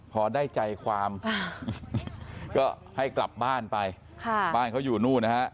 พอได้ใจความก็ให้กลับบ้านไปบ้านเขาอยู่นู่นนะฮะ